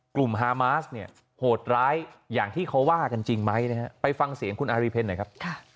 ฮามาสเนี่ยโหดร้ายอย่างที่เขาว่ากันจริงไหมนะฮะไปฟังเสียงคุณอารีเพลหน่อยครับ